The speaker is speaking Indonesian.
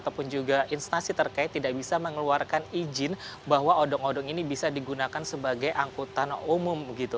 ataupun juga instansi terkait tidak bisa mengeluarkan izin bahwa odong odong ini bisa digunakan sebagai angkutan umum